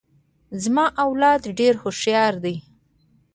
زما اولاد ډیر هوښیار دي.